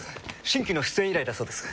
新規の出演依頼だそうです。